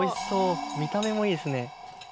見た目もいいですね。